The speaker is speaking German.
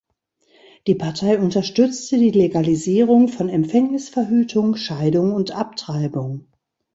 Die Partei unterstützte die Legalisierung von Empfängnisverhütung, Scheidung und Abtreibung.